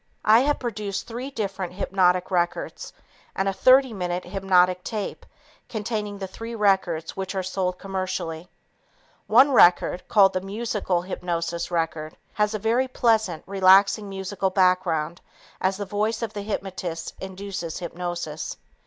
I have produced three different hypnotic records and a 30 minute hypnotic tape containing the three records which are sold commercially. One record, called the Musical Hypnotic Record, has a very pleasant, relaxing musical background as the voice of the hypnotist induces hypnosis.